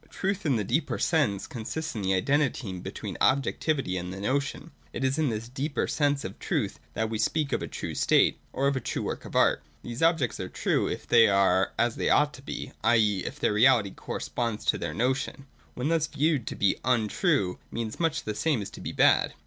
Truth in the deeper sense consists in the identity between objectivity and the notion. It is in this deeper sense of truth that we speak of a true state, or of a true worlc of art. These objects are true, if they are as they ought to be, i.e. if their reality corresponds to their notion. When thus viewed, to be untrue means much the same as to be bad.